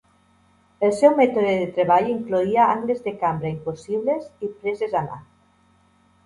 El seu mètode de treball incloïa angles de cambra impossibles i preses a mà.